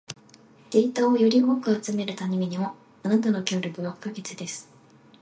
データをより多く集めるためにも、あなたの協力が不可欠です。